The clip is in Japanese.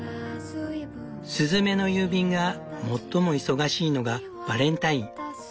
スズメの郵便が最も忙しいのがバレンタイン。